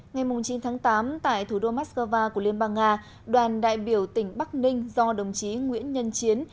ngày chín tháng tám tại thủ đô moscow của liên bang nga đoàn đại biểu tỉnh bắc ninh do đồng chí nguyễn nhân chiến